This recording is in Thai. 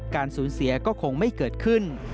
การสูญเสียก็คงไม่เกิดขึ้น